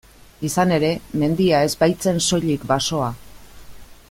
Izan ere, mendia ez baitzen soilik basoa.